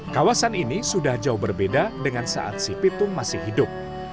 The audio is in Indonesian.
kawasan ini sudah jauh berbeda dengan saat si pitung masih hidup